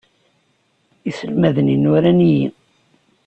Iselmaden-inu ran-iyi.